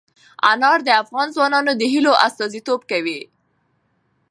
انار د افغان ځوانانو د هیلو استازیتوب کوي.